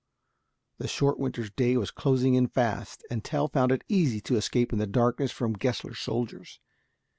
The short winter's day was closing in fast, and Tell found it easy to escape in the darkness from Gessler's soldiers.